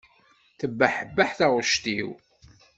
Tebbeḥbeḥ taɣect-iw.